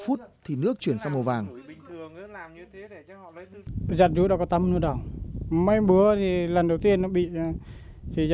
phút thì nước chuyển sang màu vàng